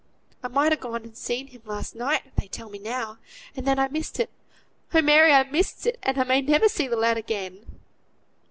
I might ha' gone and seen him last night, they tell me now, and then I missed it. Oh! Mary, I missed it; and I may never see the lad again."